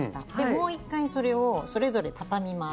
もう１回それをそれぞれ畳みます。